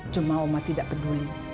cuma omah tidak peduli